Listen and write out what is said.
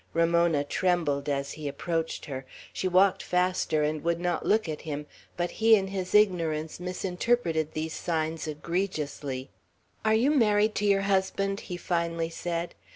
Ramona trembled as he approached her. She walked faster, and would not look at him; but he, in his ignorance, misinterpreted these signs egregiously. "Are you married to your husband?" he finally said.